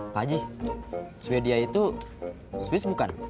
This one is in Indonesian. pak haji sweden itu swiss bukan